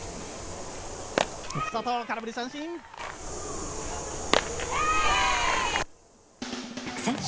外、空振り三振。